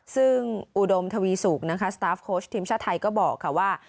ซึ่งอุดมทวีสุกนะคะสตาฟโค้ชทีมชาติไทยก็บอกค่ะว่า